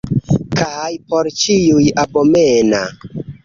Kaj por ĉiuj abomena!